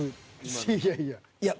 いやいや。